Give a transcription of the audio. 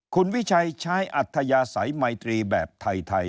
คุณวิชัยใช้อัธยาศัยไมตรีแบบไทย